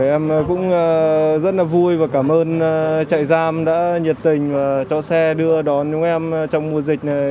em cũng rất là vui và cảm ơn trại giam đã nhiệt tình cho xe đưa đón chúng em trong mùa dịch này